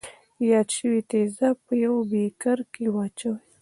یاد شوي تیزاب په یوه بیکر کې واچوئ.